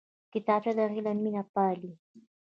کتابچه د علم مینه پالي